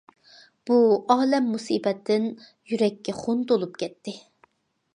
بۇ ئالەم- مۇسىبەتتىن يۈرەككە خۇن تولۇپ كەتتى.